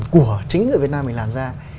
của chính người việt nam mình làm ra